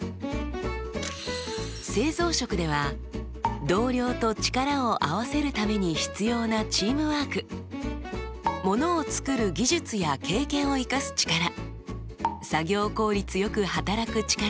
製造職では同僚と力を合わせるために必要なチームワークものを作る技術や経験を生かす力作業効率よく働く力